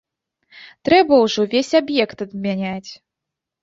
Трэба ўжо ўвесь аб'ект адмяняць.